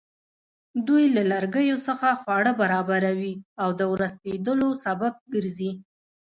دوی له لرګیو څخه خواړه برابروي او د ورستېدلو سبب ګرځي.